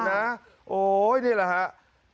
โอ้โหนี่แหละครับ